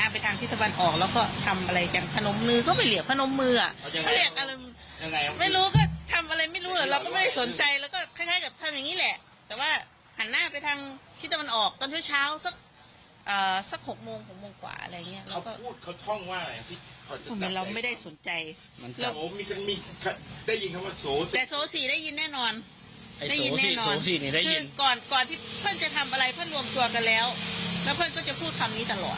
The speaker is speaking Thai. ไปฟังหมอปลาหน่อยดีกว่า